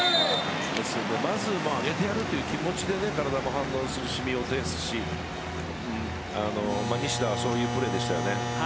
まず上げてやるという気持ちで体も反応するし、身もていすし西田は、そういうプレーですよね。